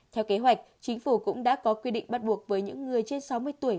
theo kế hoạch chính phủ cũng đã có quy định bắt buộc với những người trên sáu mươi tuổi